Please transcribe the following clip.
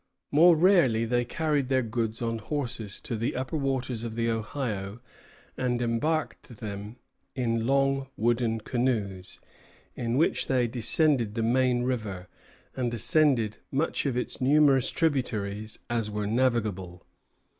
More rarely, they carried their goods on horses to the upper waters of the Ohio, and embarked them in large wooden canoes, in which they descended the main river, and ascended such of its numerous tributaries as were navigable.